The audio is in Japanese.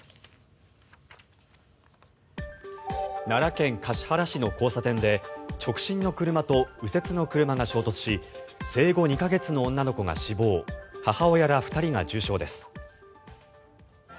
奈良県橿原市の交差点で直進の車と右折の車が衝突し生後２か月の女の子が死亡母親ら２人が重傷です。